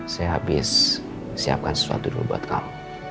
saya habis siapkan sesuatu dulu buat kamu